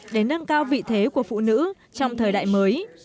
để nâng cao vị thế của phụ nữ trong thời đại mới